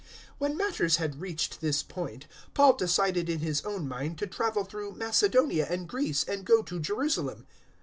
019:021 When matters had reached this point, Paul decided in his own mind to travel through Macedonia and Greece, and go to Jerusalem.